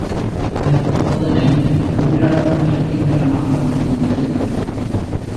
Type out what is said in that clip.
அச்சோதனை ஓரளவு வெற்றிகரமாக முடிந்தது.